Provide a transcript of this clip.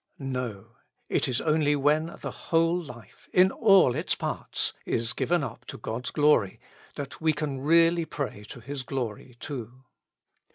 No ! it is only when the whole life, in all its parts, is given up to God's glory, that we can really pray to His glory too.